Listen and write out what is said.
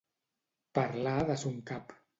Parlar de son cap.